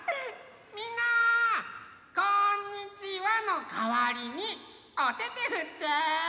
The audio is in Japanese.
みんな「こんにちは」のかわりにおててふって！